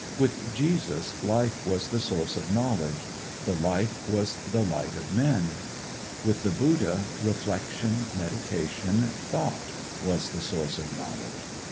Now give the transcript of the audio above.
With Jesus life was the source of knowledge; the life was the light of men. With the Buddha, reflection, meditation, thought was the source of knowledge.